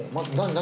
何？